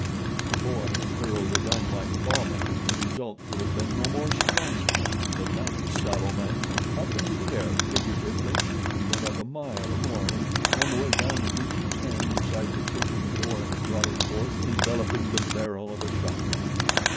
If the boy had hurled a dynamite bomb at him the result could have been no more surprising. The lank, sallow man went up into the air, figuratively. He went up a mile or more, and on the way down he reached his hand inside the kitchen door and brought it forth enveloping the barrel of a shot gun.